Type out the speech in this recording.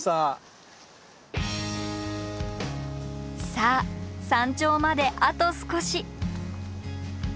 さあ山頂まであと少し。